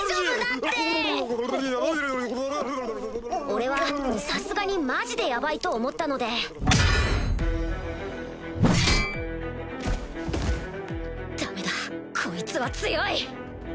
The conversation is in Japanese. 俺はさすがにマジでヤバいと思ったのでダメだこいつは強い！